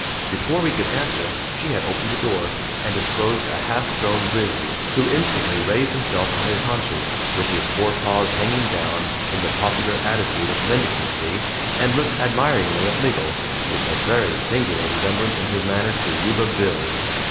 Before we could answer she had opened the door, and disclosed a half grown grizzly, who instantly raised himself on his haunches, with his forepaws hanging down in the popular attitude of mendicancy, and looked admiringly at Miggles, with a very singular resemblance in his manner to Yuba Bill.